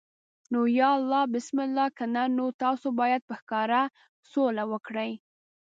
نو یا الله بسم الله، کنه نو تاسو باید په ښکاره سوله وکړئ.